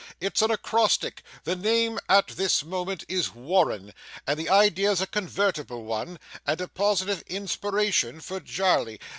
It's an acrostic the name at this moment is Warren, and the idea's a convertible one, and a positive inspiration for Jarley.